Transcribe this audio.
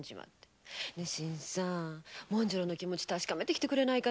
新さん紋次郎の気持ちを確かめてくれない？